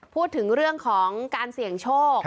พูดถึงเรื่องของการเสี่ยงโชค